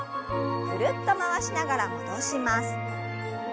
ぐるっと回しながら戻します。